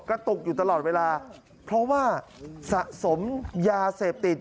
กระตุกอยู่ตลอดเวลาเพราะว่าสะสมยาเสพติด